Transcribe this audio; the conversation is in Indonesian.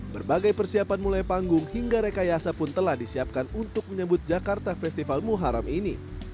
berbagai persiapan mulai panggung hingga rekayasa pun telah disiapkan untuk menyebut jakarta festival muharam ini